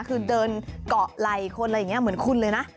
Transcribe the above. คือเดินเกาะไหล่คนอะไรอย่างนี้เหมือนคุณเลยนะ